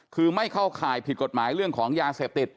คือไม่เข้าข่ายผิดกฎหมายเรื่องของยาเสพติด